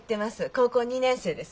高校２年生です。